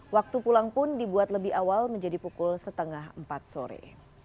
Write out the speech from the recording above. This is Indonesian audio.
waktu pulang pun dibuat lebih awal menjadi pukul setengah empat sore